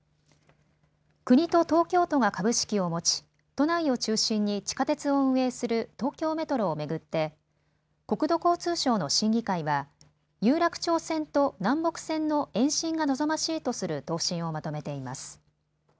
国と東京都が株式を持ち都内を中心に地下鉄を運営する東京メトロを巡って国土交通省の審議会は有楽町線と南北線の延伸が望ましいとする答申をまとめています。